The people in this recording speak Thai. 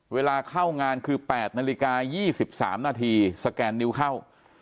เวลาเข้างานคือ๘นาฬิกา๒๓นาทีสแกนนิ้วเข้า